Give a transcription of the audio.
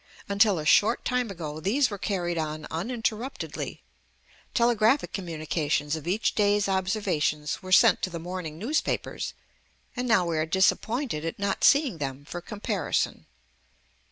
Until a short time ago, these were carried on uninterruptedly. Telegraphic communications of each day's observations were sent to the morning newspapers; and now we are disappointed at not seeing them for comparison.